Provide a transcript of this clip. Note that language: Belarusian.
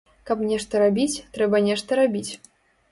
Каб нешта рабіць, трэба нешта рабіць!